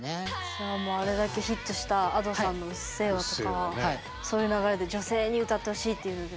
じゃあもうあれだけヒットしたＡｄｏさんの「うっせぇわ」とかはそういう流れで女性に歌ってほしいっていう部分。